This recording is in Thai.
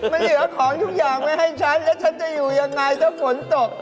มันเหลือของทุกอย่างไว้ให้ฉันแล้วฉันจะอยู่ยังไงถ้าฝนตก